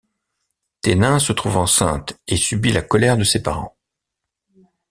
Ténin se trouve enceinte et subit la colère de ses parents.